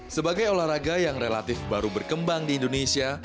sebagai olahraga yang relatif baru berkembang di indonesia